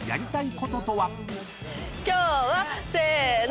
今日はせーの。